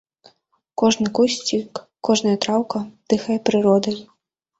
Кожны кусцік, кожная траўка дыхае прыродай.